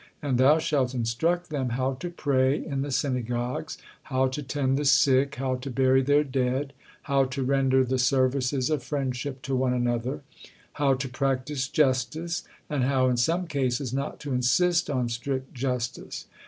And thou shalt instruct them how to pray in the synagogues, how to tend the sick, how to bury their dead, how to render the services of friendship to one another, how to practice justice, and how, in some cases, not to insist on strict justice.